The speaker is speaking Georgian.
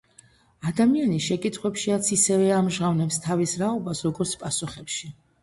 ადამიანი შეკითხვებშიაც ისევე ამჟღავნებს თავის რაობას, როგორც პასუხებში.